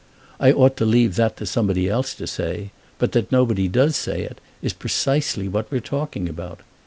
I ought to leave that to somebody else to say; but that nobody does say it is precisely what we're talking about.